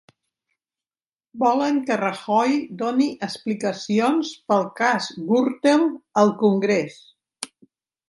Volen que Rajoy doni explicacions pel cas Gürtel al congrés